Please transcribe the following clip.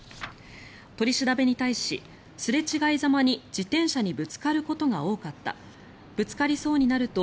取り調べに対し、すれ違いざまに自転車にぶつかることが多かったぶつかりそうになると